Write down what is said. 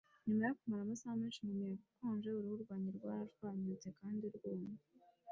Nyuma yo kumara amasaha menshi mumuyaga ukonje, uruhu rwanjye rwarashwanyutse kandi rwumye.